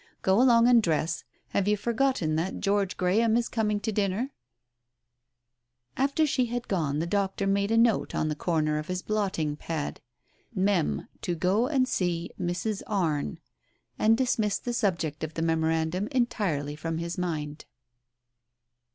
Go along and dress. Have you forgotten that George Graham is coming to dinner ?" After she had gone the doctor made a note on the corner of his blotting pad, "Mem. : to go and see Mrs. Arne," and dismissed the subject of the memorandum entirely from his mind.